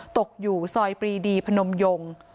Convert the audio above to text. ตกอยู่ซอยปรีดีพนมยง